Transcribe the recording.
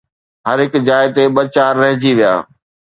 هر هڪ جاءِ تي ٻه چار رهجي ويا